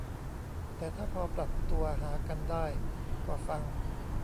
แต่ถ้าพอปรับตัวหากันได้ก็ฟัง